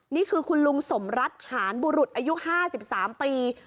นี่คือคุณลุงสมรัฐหารบุรุษอายุห้าสิบสามปี